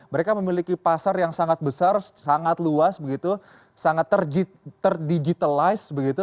mereka memiliki pasar yang sangat besar sangat luas begitu sangat terdigitalize begitu